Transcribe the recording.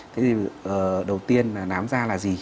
thế thì đầu tiên là nám da là gì